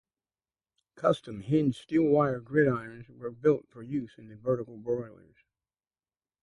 Custom hinged steel wire gridirons were built for use in the vertical broilers.